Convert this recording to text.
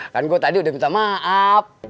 kan gue tadi udah minta maaf